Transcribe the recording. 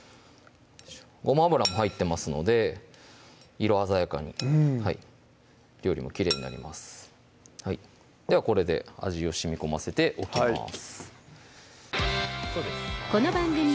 ごま油も入ってますので色鮮やかに料理もきれいになりますではこれで味をしみこませておきます